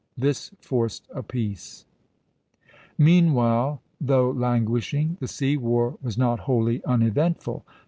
This forced a peace. Meanwhile, though languishing, the sea war was not wholly uneventful.